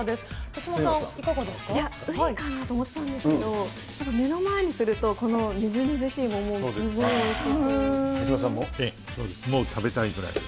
手嶋さん、ウニかなと思ったんですけど、でも目の前にすると、このみずみずしい桃がすごいおいしそうで。